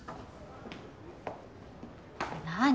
何？